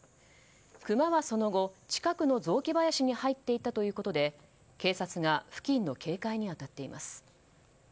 クマはその後、近くの雑木林に入って行ったということで警察が付近の警戒に当たっています。